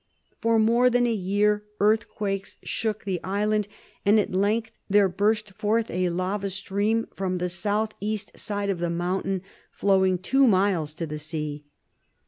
For more than a year earthquakes shook the island, and at length there burst forth a lava stream from the southeast side of the mountain, flowing two miles, to the sea.